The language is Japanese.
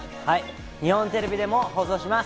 日本テレビでも放送します。